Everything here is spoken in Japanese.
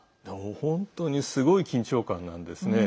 本当にすごい緊張感なんですね。